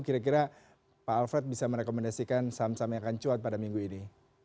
kira kira pak alfred bisa merekomendasikan saham saham yang akan cuat pada minggu ini